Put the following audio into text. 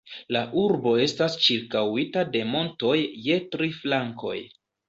La urbo estas ĉirkaŭita de montoj je tri flankoj.